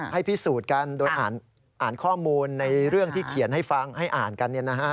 ให้พิสูจน์กันโดยอ่านข้อมูลในเรื่องที่เขียนให้ฟังให้อ่านกัน